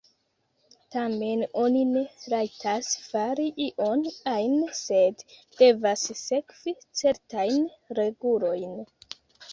Tamen oni ne rajtas fari ion ajn, sed devas sekvi certajn regulojn.